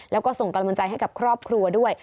แล้วก็ส่งกำลังใจให้กับครอบครัวด้วย